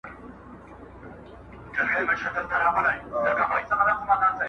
د کار مهالویش د تولید زیاتوالی راولي.